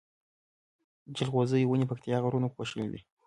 جلغوزيو ونی پکتيا غرونو پوښلي دی